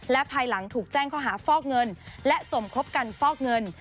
และภายหลังถูกแจ้งข้อหาฟอกเงินและสมคบกันฟอกเงิน